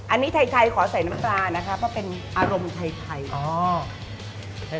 อันนี้ไทยขอใส่น้ำปลานะคะเพราะเป็นอารมณ์ไทย